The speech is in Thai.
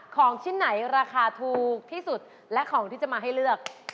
ของชิ้นไหนราคาถูกที่สุดและของที่จะมาให้เลือก